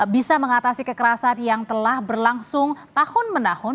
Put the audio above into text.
bisa mengatasi kekerasan yang telah berlangsung tahun menahun